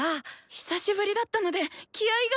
久しぶりだったので気合いが。